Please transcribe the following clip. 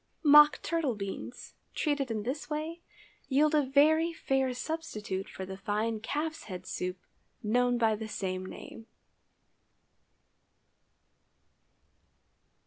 Mock turtle beans, treated in this way, yield a very fair substitute for the fine calf's head soup known by the same name.